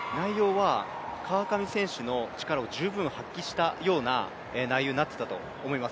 川上選手の力を十分発揮した内容になっていたと思います